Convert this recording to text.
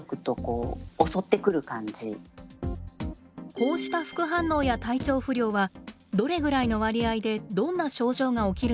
こうした副反応や体調不良はどれぐらいの割合でどんな症状が起きるのでしょうか？